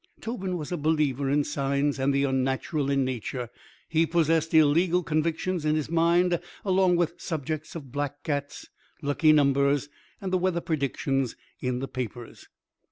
Tobin was a believer in signs and the unnatural in nature. He possessed illegal convictions in his mind along the subjects of black cats, lucky numbers, and the weather predictions in the papers.